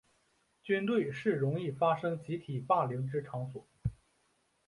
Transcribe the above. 军队是容易发生集体霸凌之场所。